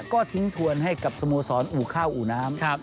ก็ทิ้งทวนให้กับสโมสรอู่ข้าวอู่น้ำ